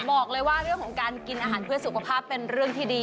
บอกเลยว่าเรื่องของการกินอาหารเพื่อสุขภาพเป็นเรื่องที่ดี